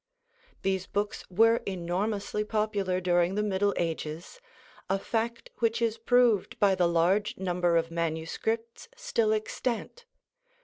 These books were enormously popular during the Middle Ages, a fact which is proved by the large number of manuscripts still extant.